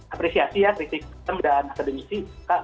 apresiasi ya kritikus film dan akademisi